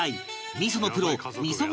味噌のプロ味噌蔵